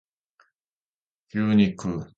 牛肉